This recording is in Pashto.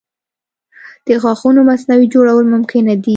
د غاښونو مصنوعي جوړول ممکنه دي.